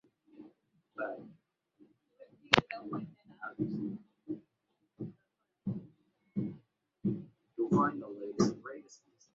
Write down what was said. Mtaalamu wa ufundi alichukua chupa ya kahawa na kumimina nusu kikombe akasimama dirishani